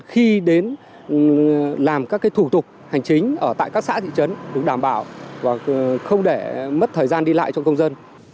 khi đến làm các thủ tục hành chính ở tại các xã thị trấn được đảm bảo và không để mất thời gian đi lại cho công dân